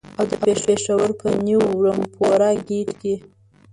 او د پېښور په نیو رمپوره ګېټ کې.